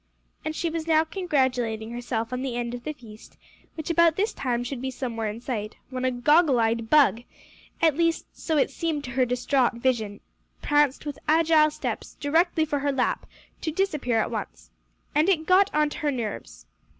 And she was now congratulating herself on the end of the feast, which about this time should be somewhere in sight, when a goggle eyed bug, at least so it seemed to her distraught vision, pranced with agile steps directly for her lap, to disappear at once. And it got on to her nerves.